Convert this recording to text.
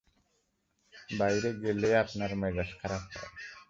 বাইরে গেলেই আপনার মেজাজ খারাপ হয়।